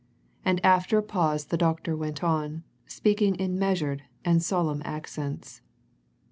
And after a pause the doctor went on, speaking in measured and solemn accents.